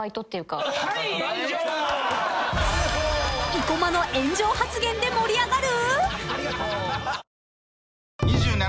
［生駒の炎上発言で盛り上がる！？］